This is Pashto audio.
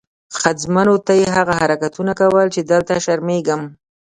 ښځمنو ته یې هغه حرکتونه کول چې دلته شرمېږم.